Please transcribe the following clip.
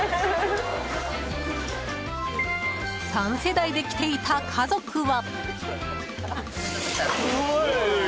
３世代で来ていた家族は。